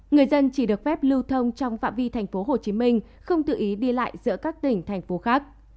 người dân chỉ được phép lưu thông trong phạm vi tp hcm không tự ý đi lại giữa các tỉnh thành phố khác